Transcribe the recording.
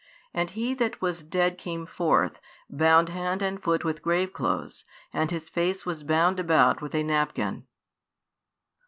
And he that was dead came forth, bound hand and foot with grave clothes; and his face was bound about with a napkin.